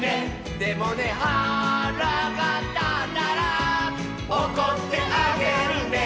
「でもねはらがたったら」「おこってあげるね」